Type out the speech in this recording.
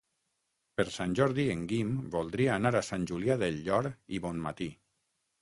Per Sant Jordi en Guim voldria anar a Sant Julià del Llor i Bonmatí.